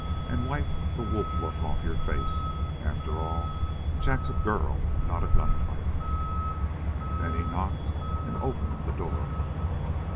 And wipe the wolf look off your face. After all, Jack's a girl, not a gunfighter." Then he knocked and opened the door.